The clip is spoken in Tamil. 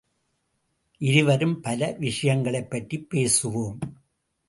இருவரும் பல விஷயங்களைப் பற்றிப் பேசுவோம்.